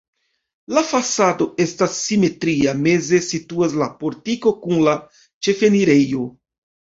La fasado estas simetria, meze situas la portiko kun la ĉefenirejo.